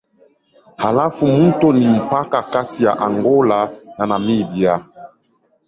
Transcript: Halafu mto ni mpaka kati ya Angola na Namibia.